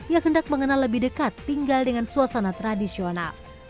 ia hendak mengenal lebih dekat tinggal dengan suasana tradisional